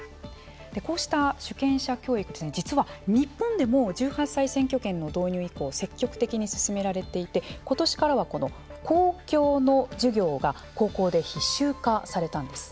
こうした主権者教育実は日本でも１８歳選挙権の導入以降積極的に進められていてことしからは「公共」の授業が高校で必修化されたんです。